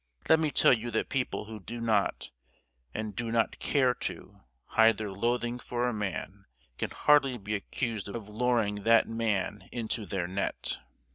Let me tell you that people who do not, and do not care to, hide their loathing for a man can hardly be accused of luring that man into their net!